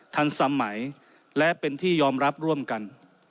ทันสมัยและเป็นที่ยอมรับร่วมกัน